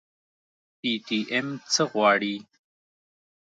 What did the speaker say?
پي ټي ايم څه غواړي؟